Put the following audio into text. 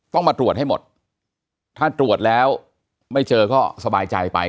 ต้องมาตรวจให้หมดถ้าตรวจแล้วไม่เจอก็สบายใจไป